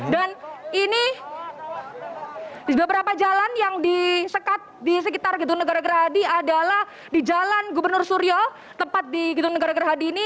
dan ini di beberapa jalan yang disekat di sekitar gitu negara gerhadi adalah di jalan gubernur suryo tempat di gitu negara gerhadi ini